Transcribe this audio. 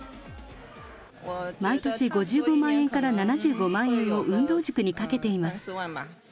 毎年５５万円から７５万円を運動塾にかけています。